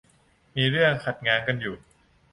มีเรื่องคัดง้างกันอยู่